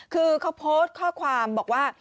คือเขาโพสต์ข้อความบอกว่า